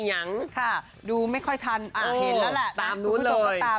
ต้นไหนมาแรงข้าวป่าว